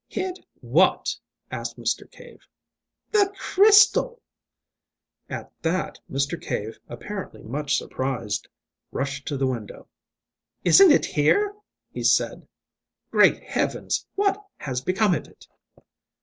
"Hid what?" asked Mr. Cave. "The crystal!" At that Mr. Cave, apparently much surprised, rushed to the window. "Isn't it here?" he said. "Great Heavens! what has become of it?"